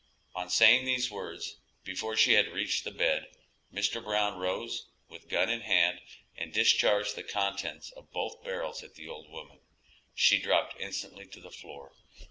On saying these words, before she had reached the bed, Mr. Brown rose, with the gun in hand, and discharged the contents of both barrels at the old woman; she dropped instantly to the floor.